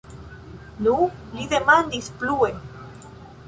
Nu? li demandis plue.